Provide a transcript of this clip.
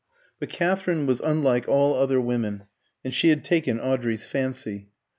But Katherine was unlike all other women, and she had taken Audrey's fancy.